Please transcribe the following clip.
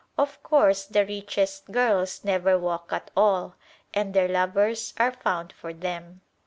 Of course, the richest girls never walk at all; and their lovers are found for them.